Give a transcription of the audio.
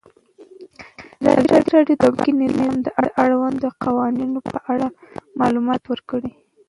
ازادي راډیو د بانکي نظام د اړونده قوانینو په اړه معلومات ورکړي.